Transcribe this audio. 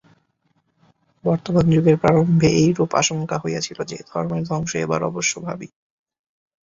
বর্তমান যুগের প্রারম্ভে এইরূপ আশঙ্কা হইয়াছিল যে, ধর্মের ধ্বংস এবার অবশ্যম্ভাবী।